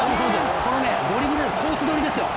このドリブル、コース取りですよ。